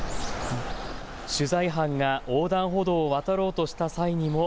取材班が横断歩道を渡ろうとした際にも。